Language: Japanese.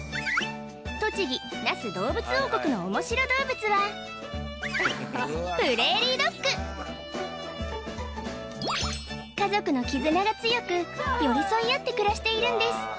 栃木那須どうぶつ王国のオモシロ動物はプレーリードッグ家族の絆が強く寄り添いあって暮らしているんです